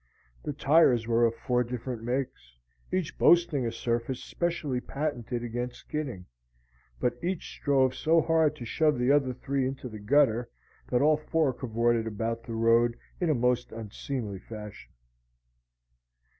The tires were of four different makes, each boasting a surface specially patented against skidding; but each strove so hard to shove the other three into the gutter, that all four cavorted about the road in a most unseemly fashion.